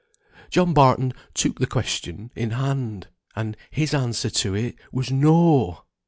John Barton took the question in hand, and his answer to it was NO!